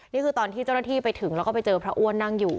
นี่คือตอนที่เจ้าหน้าที่ไปถึงแล้วก็ไปเจอพระอ้วนนั่งอยู่